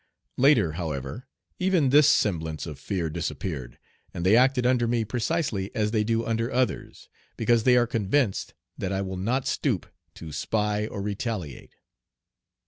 Later, however, even this semblance of fear disappeared, and they acted under me precisely as they do under others, because they are convinced that I will not stoop to spy or retaliate.